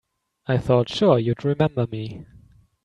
I thought sure you'd remember me.